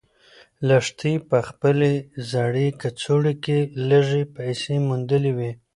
لښتې په خپلې زړې کڅوړې کې لږې پیسې موندلې وې.